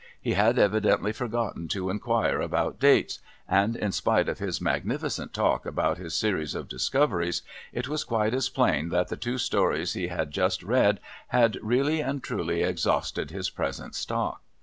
He had evidently forgotten to inquire about dates ; and, in spite of his magnificent talk about his series of discoveries, it was quite as plain that the two stories he had just read, had really and truly exhausted his present stock.